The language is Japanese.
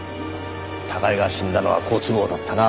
高井が死んだのは好都合だったな。